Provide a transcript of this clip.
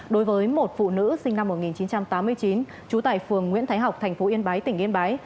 đối với một phụ nữ sinh năm một nghìn chín trăm tám mươi chín trú tại phường nguyễn thái học thành phố yên bái tỉnh yên bái